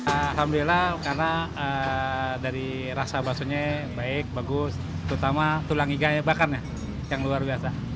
alhamdulillah karena dari rasa bakso nya baik bagus terutama tulang iganya bakarnya yang luar biasa